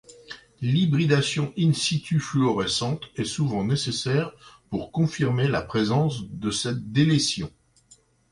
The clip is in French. L'hybridation in situ fluorescente est souvent nécessaire pour confirmer la présence de cette délétion.